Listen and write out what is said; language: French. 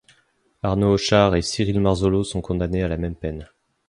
Arnaud Hauchard et Cyril Marzolo sont condamnés à la même peine.